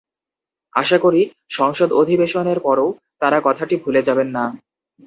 আশা করি, সংসদ অধিবেশনের পরও তাঁরা কথাটি ভুলে যাবেন না।